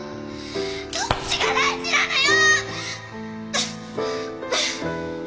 どっちが大事なのよ！